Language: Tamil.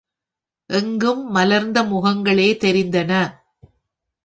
எங்கும் மலர்ந்த முகங்களே தெரிந்தன.